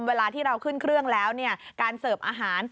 เวลาที่เราขึ้นเครื่องแล้วการเสิร์ฟอาหาร